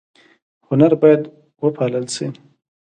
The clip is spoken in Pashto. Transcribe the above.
هنر باید وپال ل شي